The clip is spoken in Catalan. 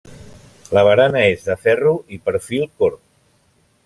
La barana és de ferro i perfil corb.